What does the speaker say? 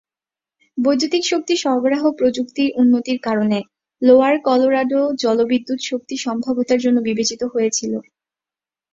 বৈদ্যুতিক শক্তি সরবরাহ প্রযুক্তির উন্নতির কারণে, লোয়ার কলোরাডো জলবিদ্যুৎ-শক্তি সম্ভাব্যতার জন্য বিবেচিত হয়েছিল।